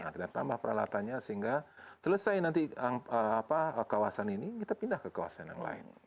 kita tambah peralatannya sehingga selesai nanti kawasan ini kita pindah ke kawasan yang lain